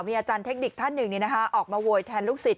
มีอาจารย์เทคนิคท่านหนึ่งออกมาโวยแทนลูกศิษย